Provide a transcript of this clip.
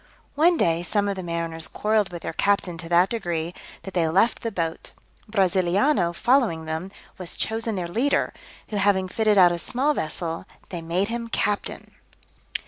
One day some of the mariners quarrelled with their captain to that degree, that they left the boat. Brasiliano following them, was chosen their leader, who having fitted out a small vessel, they made him captain.